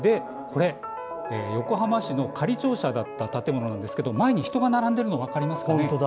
横浜市の仮庁舎だった建物なんですが前に人が並んでいるの分かりますかね。